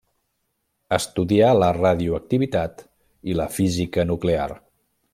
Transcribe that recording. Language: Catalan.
Estudià la radioactivitat i la física nuclear.